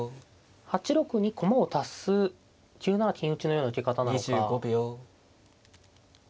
８六に駒を足す９七金打のような受け方なのか。